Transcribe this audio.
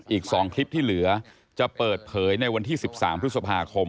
อีก๒คลิปที่เหลือจะเปิดเผยในวันที่๑๓พฤษภาคม